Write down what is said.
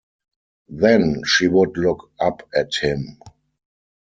Then she would look up at him.